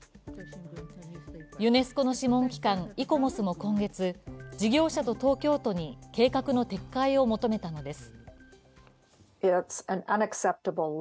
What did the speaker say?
ユネスコの諮問機関・イコモスも今月、事業者と東京都に計画の撤回を求めたのです。